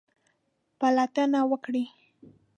پلټنه وکړئ